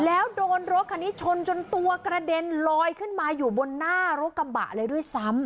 แล้วโดนรถคันนี้ชนจนตัวกระเด็นลอยขึ้นมาอยู่บนหน้ารถกระบะเลยด้วยซ้ำ